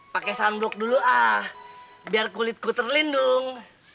pakai sunblock dulu ah biar kulitku terlindung